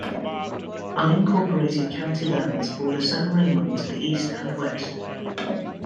Unincorporated county lands border San Ramon to the east and west.